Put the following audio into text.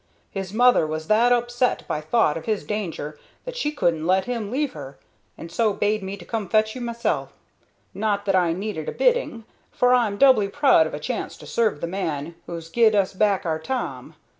His mother was that upset by thought of his danger that she couldn't let him leave her, and so bade me come to fetch you mysel'. Not that I needed a bidding, for I'm doubly proud of a chance to serve the man who's gied us back our Tom.